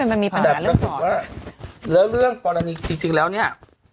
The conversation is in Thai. มันมีปัญหาเรื่องสอดแต่ประสิทธิ์ว่าเหลือเรื่องกรณีจริงจริงแล้วเนี้ย